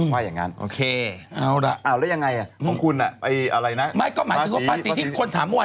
ว่าอย่างนั้นอ๋อแล้วยังไงของคุณภาษีหมายถึงว่าภาษีที่คนถามว่า